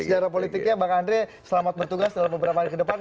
sejarah politiknya bang andre selamat bertugas dalam beberapa hari ke depan